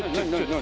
何？